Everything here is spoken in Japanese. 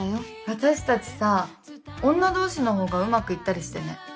私たちさ女同士の方がうまくいったりしてね。